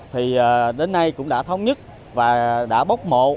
thì đến nay cũng đã thống nhất và đã bốc mộ